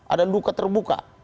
ada luka terbuka